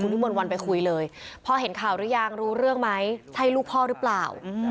วิมนต์วันไปคุยเลยพ่อเห็นข่าวหรือยังรู้เรื่องไหมใช่ลูกพ่อหรือเปล่า